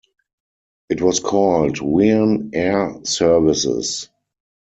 It was called Wearne Air Services.